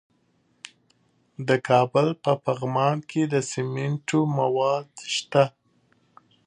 د کابل په پغمان کې د سمنټو مواد شته.